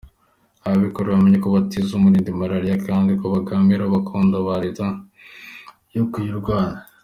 Ababikora bamenye ko batiza umurindi Malariya ; kandi ko babangamira gahunda ya Leta yo kuyirwanya.